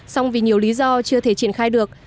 song vì nhiều lý do chưa thể triển khai được